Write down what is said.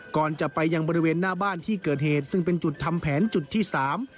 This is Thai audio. ก่อนจะไปยังบริเวณหน้าบ้านที่เกิดเหตุซึ่งเป็นจุดทำแผนจุดที่สาม